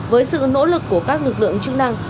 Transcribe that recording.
với sự nỗ lực của các lực lượng chức năng